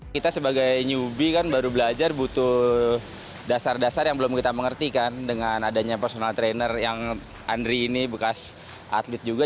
kita sebagai nyubi kan baru belajar butuh dasar dasar yang belum kita mengertikan dengan adanya personal trainer yang andri ini bekas atlet juga